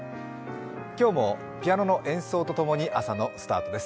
今日もピアノの演奏と共に朝のスタートです。